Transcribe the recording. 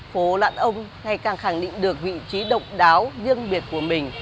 phố lạn ông ngày càng khẳng định được vị trí độc đáo riêng biệt của mình